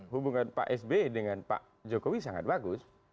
hubungan pak sby dengan pak jokowi sangat bagus